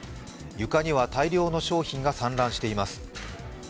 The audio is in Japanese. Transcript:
床には大量の商品が散乱しています。